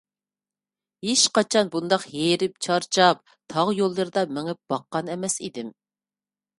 ھېچقاچان مۇنداق ھېرىپ - چارچاپ، تاغ يوللىرىدا مېڭىپ باققان ئەمەس ئىدىم!